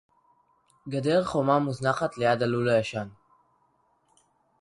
גדר חומה מוזנחת ליד הלול הישן